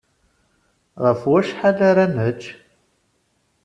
Ɣef wacḥal ara nečč?